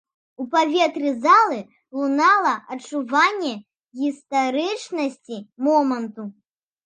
У паветры залы лунала адчуванне гістарычнасці моманту.